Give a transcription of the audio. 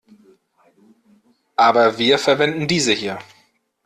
Aber wir verwenden diese hier.